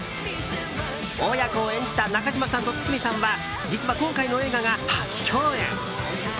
親子を演じた中島さんと堤さんは実は、今回の映画が初共演。